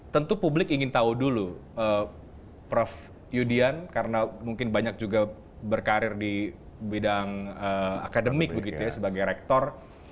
tentu publik ingin tahu dulu prof yudian karena mungkin banyak juga berkarir di bidang akademik begitu ya sebagai rektor